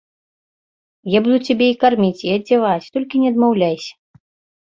Я буду цябе і карміць і адзяваць, толькі не адмаўляйся.